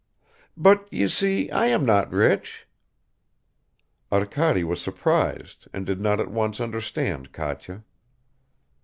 "But, you see, I am not rich." Arkady was surprised and did not at once understand Katya.